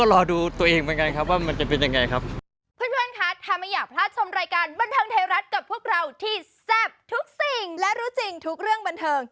และกับพวกเราที่แซ่บทุกสิ่งและรู้จริงทุกเรื่องบันเทิง